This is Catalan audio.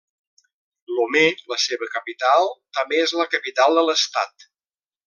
Lomé, la seva capital, també és la capital de l'estat.